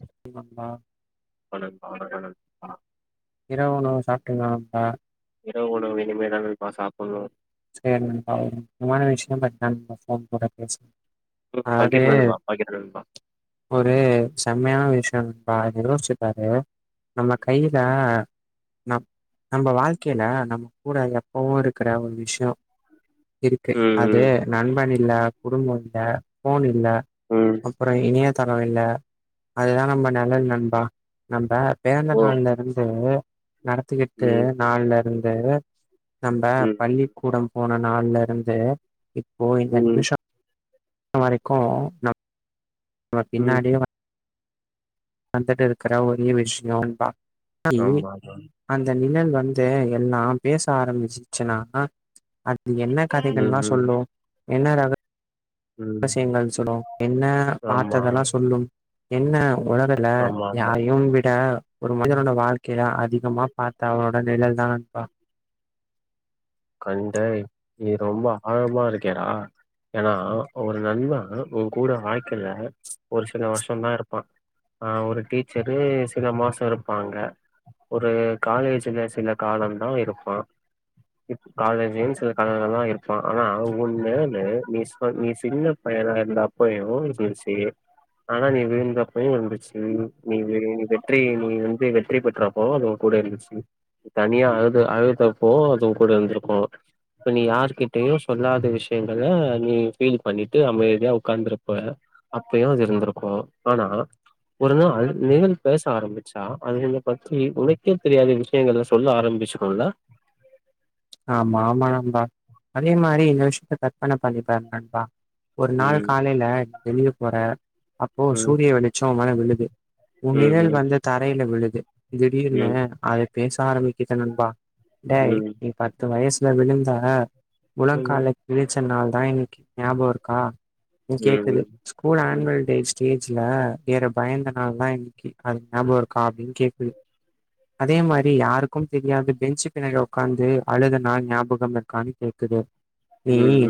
[unintelligible] வணக்கம் வணக்கம் நண்பா இரவு உனவுதா எங்கா தா இரவு உணவு இனிமே தா நண்பா சாப்டணு [unintelligible] ம் அது பக்கெட் நல்வா பாக்கெட் நல்வா ஒரு செம்மயான விஷய நண்பா யோசுச்சுபாரு நம்ம கையில நம் நம்ம வாழ்க்கயில நம்ம கூட எப்பவு இருக்ற ஒரு விஷய [unintelligible] இருக்கு அது ம் ம் நண்பன் இல்ல குடும்ப இல்ல போனு இல்ல ம் அப்ற இணயதள இல்ல அதுதா நம்ம ம் நல்லது நண்பா நம்ம பிறந்த ஓ நாள்ல இருந்து நடத்துக்கிட்டு ம் நாள்ல அந்த நம்ப பள்ளி ம் போன நாள்ல இருந்து இப்போ இந்த ம் நிமிஷோ இப்ப வரைக்கு நம் அவ ம் பின்னாடியே வந்துட்டு இருக்குற ஒரே விஷயம்பா ஆமா ஆமா அந்த நீ வந்து எல்லா பேச ஆரம்பிச்சிச்சுன்னா இது என்ன ம் கதைகள்ல்லா ம் சொல்லு என்ன ரக ம் விசயங்கள் சொல்லுவோ என்ன ஆமா பாத்ததெல்லா சொல்லும் என்ன உலக இல்ல ஆமா ஆமா யாரையு விட ஒரு ம் மனிதனோட வாழ்க்கயில அதிகமா பாத்த அவரோட அ நிழல் தானப்பா கண்டேய் நீ ரொம்ப ஆழமா இருக்கேடா ஏனா ஒரு நண்ப உ கூட வாழ்க்கைல ஒரு சில வருஷ தா இருப்பான் ஆ ஒரு டீச்சரு சில மாச இருப்பாங்க ஒரு காலேஜ்ல சில கால தா இருப்போ காலேஜின் சில காலங்கள் எல்லா இருப்போ ஆனா உண்மேலே நீ நீ சின்ன பையலா இருந்த அப்பயு இருந்துச்சு ஆனா நீ விழுந்த அப்பயு இருந்துச்சு நீ நீ வெற்றி நீ வந்து வெற்றி பெற்றப்போ அது ஊங் கூட இருந்துச்சு நீ தனியா அழு அழுதப்போ அது கூட இருந்துருக்கு இப்ப நீ யார்கிட்டயு சொல்லாத விஷயங்கல நீ பீல் பண்ணிட்டு அமைதியா உட்காந்துருப்ப அப்பயு அது இருந்திருக்கு ஆனா ஒரு நாள் அ நிழல் பேச ஆரம்பிச்சா அது பத்தி உனக்கே தெரியாத விஷயங்கல சொல்ல ஆரம்பிச்சுருல ஆமா ஆமா நண்பா அதே மாரி இந்த விஷயத்த கற்பன பண்ணி பாரு நண்பா ஒரு நாள் ம் காலேல வெளிய போறே அப்போ ம் சூரிய வெளிச்சோ மேல நின்னு உன் ம் நிழல் ம் வந்து தரையில விழுது [inaudible] திடிர்னு ம் ஆயி பேச ஆரம்பிக்கிது நண்பா டேய் ம் பத்து வயசுல விழுந்தாக ம் முழங்கால கிழிச் நாள் தா இன்னிக்கி ஞாபோருக்கா ம் கேக்குது ம் ஸ்கூல் ம் ஆனுவல் டே ஸ்டேஜ்ல யேற பயந்த நாள் தா இன்னிக்கு அது ஞாபோ இருக்கா அப்டின்னு கேக்குது அதே மாரி யாருக்கும் தெரியாது பெஞ்சு பிண்ணாடி உட்கா காந்து அழுத நாள் ஞாபகம் இருகான்னு கேக்குது ம்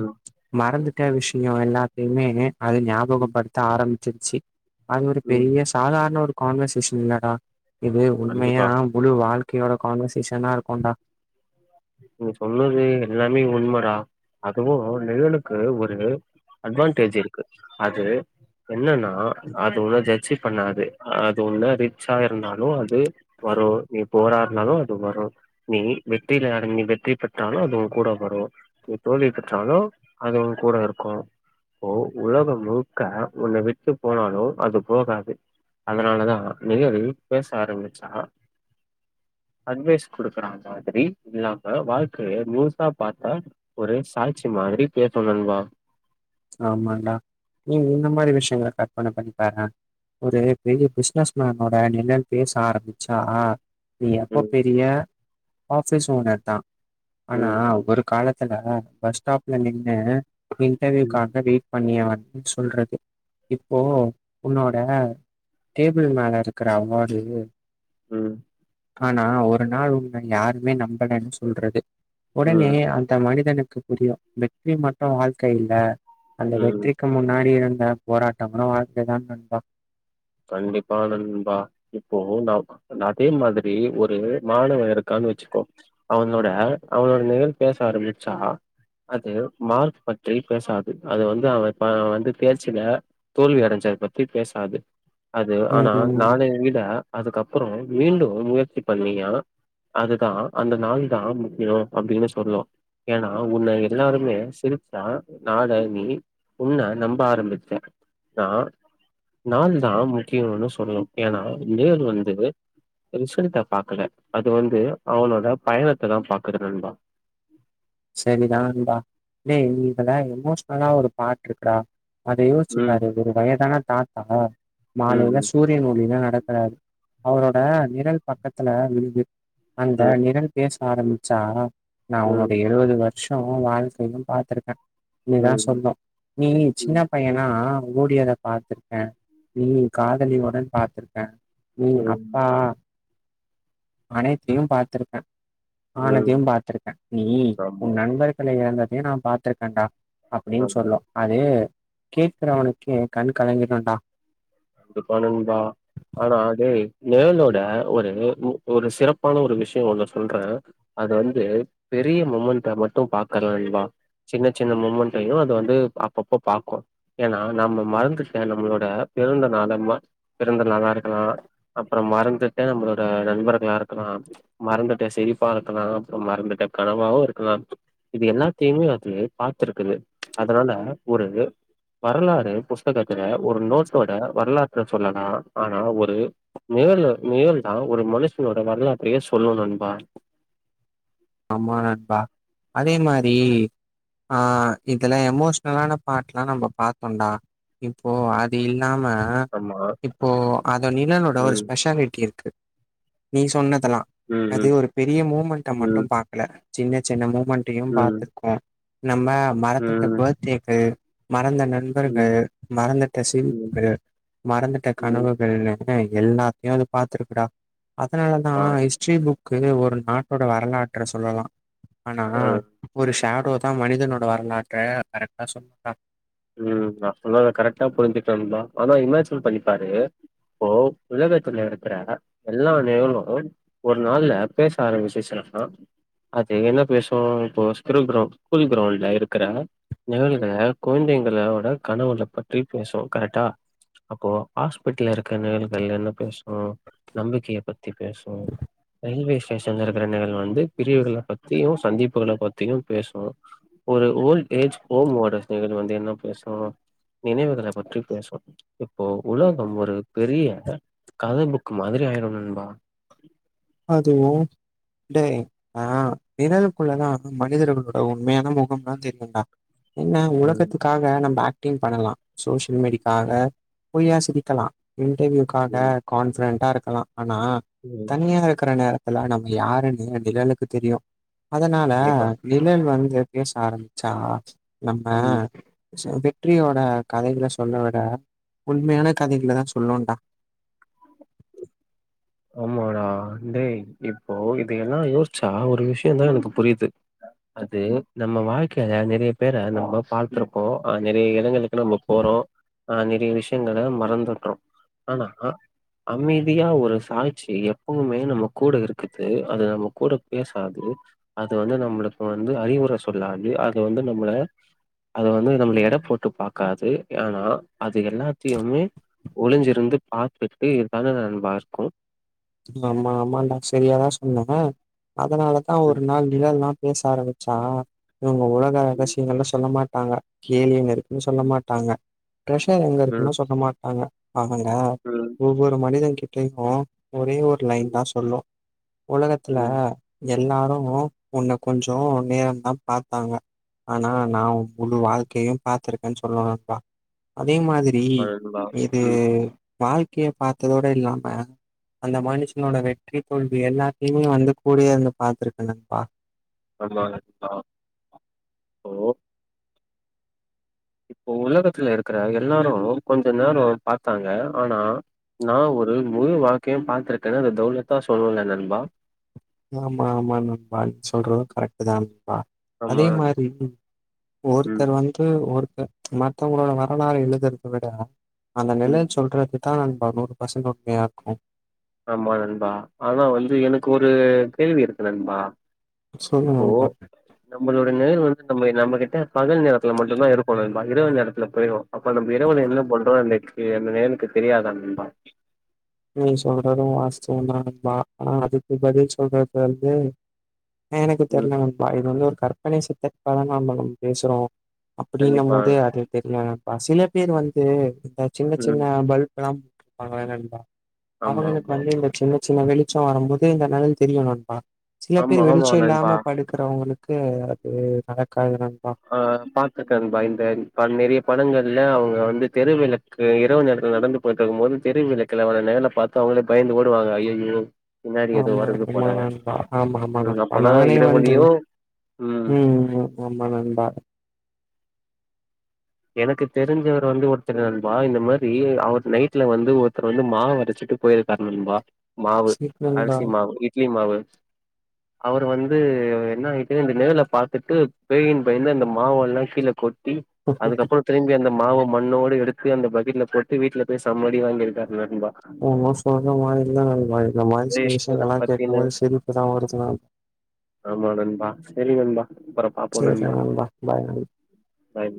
மறந்து கெட்ட விஷயோ எல்லாத்தையுமே அது ம் ஞாபகப்படுத்த ஆரம்பிச் ரிச்சி அது ஒரு ம் பெரிய சாதாரண ஒரு கான்வர்சேஷன் என்னடா இது உண்மையா கண்டிப்பா முழு வாழ்க் இன்னியோட கான்வர்சேஷனா இருக்குடா நீங்க சொன்னது எல்லாமே உண்மைடா அதுவு நிலழுக்கு ஒரு அட்வான்டேஜ் இருக்கு அது என்னன்னா அது ஒண்ண ஜட்ஜ் பண்ணாது அது ஒண்ண ரிச்சா இருந்தாலு அது வரும் நீ புவராருந்தாலு அது வரு நீ வெட்டியில யார நீ வெற்றி பெற்றாலு அது வு கூட வரு நீ தோல்வி பெற்றாலு அது வு கூட இருக்கு இப்போ உலக முழுக்க ஒன்ன விட்டு போனாலு அது போகாது அதனாலதா நிலழ் பேச ஆரம்பிச்சா அட்வைஸ் கொடுக்குற மாதிரி டிக் இல்லாம வாழ்க்கைய நியூஸா பார்த்தா ஒரு சாட்சி மாதிரி பேசு நண்பா ஆமாண்டா நீங்க இந்த மாதிரி விஷய என்ன கற்பனை பண்ணிப்பாரே ஒரு பெரிய பிசினஸ்மேன்னோட நிழல் பேச ஆரம்பிச்சா நீ எப்போ ம் பெரிய ஆஃபிஸ் ஓனர் தா ஆனா ம் ஒரு காலத் தன் அ அ பஸ் ஸ்டாப்ல நின்னு இன்ண்டர்வியூ ம். க்காக வெயிட் பண்ணியவன் சொல்றது இப்போ உன்னோட டேபிள் மேல இருக்கிற அவாடு ம் ஆனா ஒரு நாள் உன்ன யாருமே நம்பலேன்னு சொல்றது உடனே ம் அந்த மனிதன் புரில வெற்றி மட்டு வாழ்க்க இல்ல அந்த ம் வெற்றிக்கு முன்னாடி இருந்து போராட்டம்னு வாழ்க்கைதா நாண்பா கண்டிப்பா நண்பா இப்போ நா அதே மாதிரி ஒரு மாணவே இருக்கானு வச்சுக்கோ அவனோட அவனோட நிகழ் பேச ஆரம்பிச்சா அது மார்க் பற்றி பேசாது அது வந்து அவ வந்து தேர்ச்சில தோல்வி அடஞ்சத பத்தி பேசாது அது ஆனா ம். நாள எங்கிட அதுக்கப்றோ மீண்டு முயற்சி பண்ணியா அதுதா அந்த நாள் தா முக்கியொ அப்டினு சொல்லு ஏனா உன்ன எல்லாருமே சிரிச்சா நாள நீ உன்ன நம்ப ஆரம்பிப்ப நா நாள் நா முக்கியன்னு சொல்லு ஏனா நேரு வந்து ரிசல்ட பாக்கல அது வந்து அவனோட பயணத்த தா பாக்குது நண்பா சரிதா நண்பா நீங்கல்லா எமோஷனலா ஒரு பாட்டு இருக்க அத ம் யோசுச்சுப்பாரு ஒரு வயதான தாத்தா மாலையில ம் சூரியன் ஒளில நட சரா [unintelligible] அவரோட நிரல் ப பக்கத்ல விழுது அந்த நிரல் பேசு ஆரமிச்சா உம் வருஷோ வாழ்க்கையு பாத்துருக்கே நீ தா ம் சொன்ன நீ சின்ன ம் பையனா ஓடியாரத பாத்துருக்கே நீ ம் ம் காதலி உடன் பா இருக்கே உம் ம் அப்பா அனைத்தையு பாத்துருக்கே ஆனதையு ம் பாத்துருக்கே நீ உன் ஆமா நண்பர்கல ஏந்த நா பாத்துருக்கேன்டா அப்டீனு ஆமா சொல்ல அதே கேக்றவனுக்கே கண்ணு கலங்கிடும்டா இதபாநண்பா ஆனா அதே நேலோட ஒரு ஒரு சிறப்பான ஒரு விஷயோ சொல்றே அது வந்து பெரிய மொமெண்ட மட்டு பாக்கலன்பா சின்ன சின்ன மொமெண்டையு அதது வந்து அப்பப்போ பார்கு ஏன்னா நம்ம மறந்துட்ட நம்மளோட பிறந்தநாளம்மா பிறந்த நாளா இருக்கலா அப்றோ மறந்துட்ட நம்மளோட நண்பர்களா இருக்கலாம் மறந்துட்ட செழிப்பா இருக்கலாம் அப்றோ மறந்துட்ட கனவாவு இருக்கலா இது எல்லாத்தையுமே அது பாத்துருக்குது அதனால ஒரு வரலாறு புஸ்தகத்துல ஒரு நோட் ஓட வரலாற்ற சொல்லலா ஆனா ஒரு நேர்ல நேர்ல தா ஒரு மனுஷனோட வரலாற்றயே சொல்லு நண்பா அமா நண்பா அதே மாரி ஆ இதுல எமோஷ்னலான பாட்டு எல்லா நாம பார்த்தோம்ண்டா இப்போ அத நாம ஆமா. இப்போ அதோ நிலனோட ஒரு ம். ஸ்பெஷாலிட்டி இருக்கு நீ சொன்ன அதா அது ம். ஒரு பெரிய மூமெண்டா மட்டு ம். ல்ல சின்னச் சின்ன மு ஒண்டயு ம். பாத்துக்கு நம்ம மரத்துட்ட ம். பர்த்டேக்கு ம் மறந்த ம். ம். நண்பர்கள் மறந்துட்ட ம். சிரிப்பு மறந்துட்ட ம். கனவுகள்னு அ எல்லாத்தையு அது பாத்துருக்குடா அதனாலதா ஆமா. ஹிஸ்ட்ரி புக் க்கு ஒரு நாட்டோட வரலா அ சொல்லலா ஆனா அ. ஒரு விஷ் தேடோ தா மனிதனோட வரலாற்ற கரெக்டா சொல்லூ டா உ நா சொன்னத கரெக்டா புரிஞ்சிக்கிட்ட ஆனா இமேஜின் பண்ணிப்பாரு இப்போ உலகத்துல இருக்கிற எல்லா நிழலு ஒரு நாள்ல பேச ஆரம்பிச்சுச்சுனா அது என்ன பேசோ இப்போ ஸ்கூல் கிரௌ ஸ்கூல் கிரவுண்ட்ல இருக்கிற நிழல்க கொழந்தைங்களோட கனவுள பத்தி பேசு கரெக்டா அப்போ ஹாஸ்பிட்டல இருக்கிற நிழல்கள் என்ன பேசோ நம்பிக்கைய பத்தி பேசோ ரயில்வே ஸ்டேஷன்ல இருக்கிற நிழல் வந்து பிரிவுகள பத்தியு சந்திப்புகள பத்தியு பேசோ ஒரு ஓல்ட் ஏஜ் ஹோமோட கள் வந்து என்ன பேசோ நினைவுகள பத்தி பேசோ இப்போ உலகம் ஒரு பெரிய [inaudible] கதை புக் மாதிரி ஆயிரு நண்பா அதுவு டேய் ஆ நிழலுக்குள்ளதா மனிதர்களோட உண்மையான முகம்லா தெரியுண்டா என்ன ம் உலகத்துக்காக நம்ப அக் ஆக்ட்டிங் பண்ணலா சோஷியல் மீடிக்காக பொய்யா சிரிக்கலா இன்டர்வியூக்காக ம் கான்ஃபிடென்ட்டா இருக்கலா ஆனா ம் தனியா அற நேரத்துலா நம்ம யாருன்னு நிழலுக்கு தெரியு அதனால கண்டிப்பா நிழல் வந்து எதா பேச ஆரம்பிச்சா நம்ம ம் சோ வெற்றியோட கதைகள சொல்ல விட உண்மையான கதைகள தா சொல்னோடா ஆமாடா டேய் இப்போ இத எல்லா யோசிச்சா ஒரு விஷயோ தா எனக்கு புரியுது அது நம்ம வாழ்க்க நறைய பேர நம்ம பாத்திருப்போ அ நிறைய இடங்கள நம்ம போறோ ஆ நிறய விஷயங்கள மறந்துடுறோ ஆனா அமைதியா ஒரு தாய்ச்சி எப்பவுமே நம்ம கூட இருக்குது அது நம்ம கூட பேசாது அது வந்து நம்மளுக்கு வந்து அறிவுர சொல்லாது அது வந்து நம்மள அது வந்து நம்மள எட போட்டு பாக்காது ஆனா அது எல்லாத்தயுமே ஒளிஞ்சிருந்து பாத்துட்டு இதுதான நண்பா இருக்கு ஆமா ஆமாண்டா செரியாதா சொன்ன. அதனாலதா ஒரு நாள் நிழல்லா பேச ஆரம்பிச்சா ங்க உலக ம் ரகசியங்கல்ல சொல்ல மாட் நாங்க கேளின்னு னு சொல்ல மாட்டாங்க ட்ரஷர் எங்க ம் இருக்குன்னா சொல்ல மாட்டாங்க. அவங்க ம் ஒவ்வொரு மனிதன் கி கேக்கு ஒரே ஒரு லைன்தா ம், சொல்லு. உலகத்துல ம். எ எல்லாரு உன்ன கொஞ்சோ நேரந்தா பாத்தாங்க. ஆனா நா உன் முழு வாழ்க்கையு பாத்திருக்கேன்னு சொல்லு நண்பா. அதே மாதிரி அதுதான். இது ம். வாழ்க்கைய பாத்ததோட இல்லாம அந்த மனுஷனோட வெற்றி தோல்வி எல்லாத்தையுமே வந்து கூடயே இருந்து பாத்திருக்கு நண்பா. ஆமாங்க நா ஓ இப்போ உலகத்துல இருக்கிற எல்லாரு கொஞ்ச நேரோ பாத்தாங்க. ஆனா நா ஒரு முழு வாழ்க்கையு பாத்திருக்கேன்னு அது தௌலத்தா சொல்லு இல்ல நண்பா? ஆமா ஆமா நண்பா நீ சொல்றது கரெக்ட்டுதா நண்பா. அதே ஆமா. மாரி ம், ஒருத்தர் வந்து ஒரு த்தர் மத்தவங்களோட வரலாற எழுதுறத விட அந்த ம். நிழல் சொல்றது அதா நண்பா நூறு பர்சன்ட் உண்மையா இருக்கு. ஆமா நண்பா. ஆனா வந்து எனக்கு ஒரு கேள்வி இருக்கு நண்பா. சொல்லு இப்போ நண்பா நம்மளோட நெழல் வந் து நம்ம நம்ம கிட்ட பகல் நேரத்துல மட்டும்தா இருக்கு நண்பா இரவு நேரத்துல போயிரு அப்ப நம்ப இரவுல என்ன பண்றோ அந்த எக்ஸ்பீரியன் அந்த நிழலுக்கு தெரியாதா நண்பா நீ சொல்றது வாஸ்தவம்தா நண்பா. ஆனா அதுக்கு பதில் சொல்றது வந்து எனக்கு தெர்ல ம். நண்பா இது வந்து ஒரு கற் பனை [unintelligible] க்காகதா நாம நம் பேசுறோ அப்படின்னும் கண்டிப்பா. போது அது தெர்ல நண் ஆ சில பேர் வந்து ஆ சின்ன ம். சின்ன பல்ப்லாம் ஆமா நண்பா ஆமா, அவுங்களுக்கு ஆமா. வந்து இந்த சின்ன சின்ன வெளி ச்சம் வரும்போது இந்த நிலைல் தெரிணும். நண்பா சில ஆமா, பேர் ஆமா ஆமா வெளிச்சம் நண்பா. இல்லாமா படுக்கறவுங்களுக் க்கு அது நடக்காது நண் ஆ பாத்தட்ட நண்பா இந்த நெறைய படங்கள்க் அவுங்க வந்து தெருவிளக்கு இரவு நேர நடந்து போயிட்டு இருக்கும் போது தெருவிளக்கல நெழலப் பாத்து அவுங்களே பயந்துஓடுவாங்க ஐய்யோயோ ஆமா ஆமா நண்பா ஆமா ஆமா ம் நண்பா அப்பனா நானே வந்து இரவுலயு ம் ம் ஆமா நண்பா எனக்கு தெரிஞ்சவர் வந்து ஒருத்தர் நண்பா இந்த மாரி அவர் நைட்ல வந்து ஒருத்தர் வந்து மாவரைச்சிட்டு போயிருக்காரு நண்பா மாவு சரி நண்பா அரிசி மாவு இட்லி மாவு அவர் வந்து என்ன ஆயிட்ட இந்த நிழல பாத்துட்டு பேயின் பயந்து அந்த மாவல்லா கீழே கொட்டி அதுக்கப்பற திரும்பி அந்த மாவு மண்ணோடு எடுத்து அந்த பக்கெட்ல போட்டு வீட்ல போய் சம்ம அடி வாங்கியிருக்காரு ம் மோசமா மாரி தா நண்பா இந்த மாரி இதே சில நேர விஷயங்கள் எல்லா பத்தின கேக்கபோது சிரிப்பு தா வருது நண் தெரி வந்தா சேரி நண்பா பா பாய் பாய்